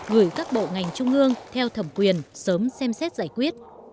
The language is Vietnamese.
gửi các bộ ngành trung ương theo thẩm quyền sớm xem xét giải quyết